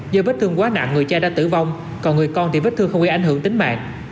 do vết thương quá nặng người cha đã tử vong còn người con thì vết thương không bị ảnh hưởng tính mạng